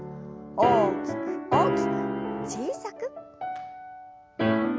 大きく大きく小さく。